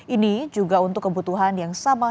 ini juga untuk kebutuhan yang sama